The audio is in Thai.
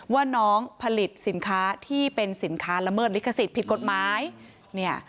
ว่าน้องผลิตสินค้าที่เป็นสินค้าละเมิดลิขสิทธิ์ผิดกฎหมายเนี่ย